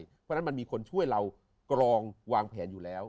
เพราะฉะนั้นมันมีคนช่วยเรากรองวางแผนอยู่แล้ว